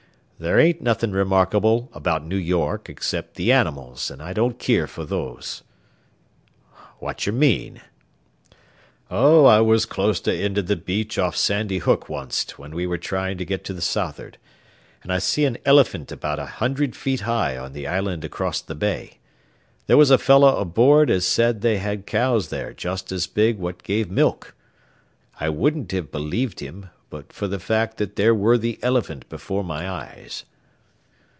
"There ain't nothin' remarkable about New York except the animals, and I don't keer fer those." "Whatchermean?" "Oh, I was closte into the beach off Sandy Hook onct when we was tryin' to get to the south'ard, an' I see an eliphint about a hundred feet high on the island acrost the bay. There was a feller aboard as said they had cows there just as big what give milk. I wouldn't have believed him, but fer the fact that there ware the eliphint before my eyes."